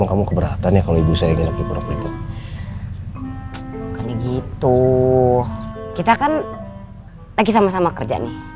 kamu keberatan ya kalau ibu saya gitu gitu kita akan lagi sama sama kerja nih